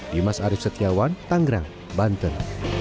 dimas arief setiawan tanggerang banten